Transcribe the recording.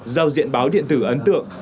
giao diện báo điện tử ấn tượng